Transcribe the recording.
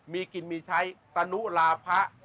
มีกินมีใช้ตนุลาพะ